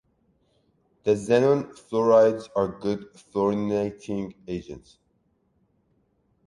The xenon fluorides are good fluorinating agents.